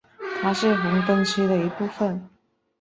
它是红灯区的一部分。